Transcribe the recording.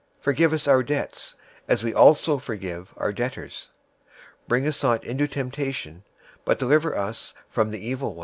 006:012 Forgive us our debts, as we also forgive our debtors. 006:013 Bring us not into temptation, but deliver us from the evil one.